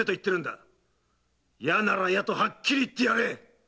いやならいやとはっきり言ってやれ！